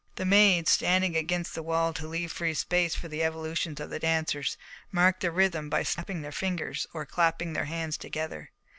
The maids, standing against the wall to leave free space for the evolutions of the dancers, marked the rhythm by snapping their fingers or clapping their hands together.